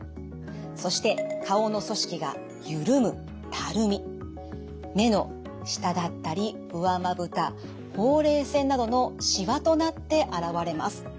そして顔の組織が緩む目の下だったり上まぶたほうれい線などのしわとなって現れます。